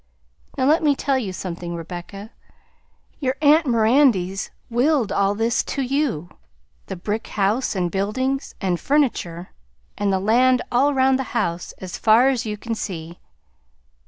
Now let me tell you something, Rebecca. Your aunt Mirandy 's willed all this to you, the brick house and buildings and furniture, and the land all round the house, as far 's you can see."